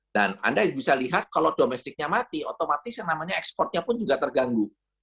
dan anda bisa lihat kalau domestiknya mati otomatis ekspornya pun juga terganggu